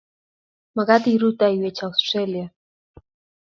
maget irutaiwech austrelia